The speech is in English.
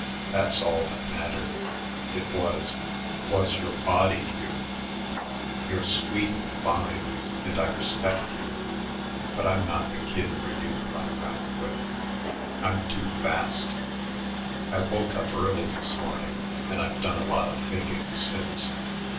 That's all that mattered. It was was your body, Hugh. You're sweet and fine, and I respect you, but I'm not the kid for you to run around with. I'm too fast. I woke up early this morning, and I've done a lot of thinking since.